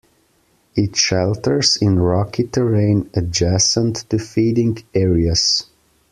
It shelters in rocky terrain adjacent to feeding areas.